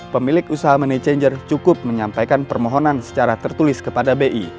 pemilik usaha money changer cukup menyampaikan permohonan secara tertulis kepada bi